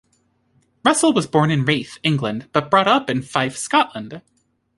Russell was born in Reeth, England but brought up in Fife, Scotland.